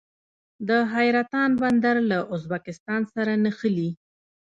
د حیرتان بندر له ازبکستان سره نښلي